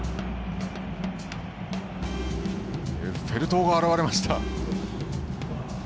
エッフェル塔が現れました。